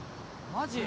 マジ？